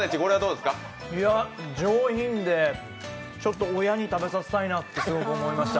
上品でちょっと親に食べさせたいなとすごく思いました。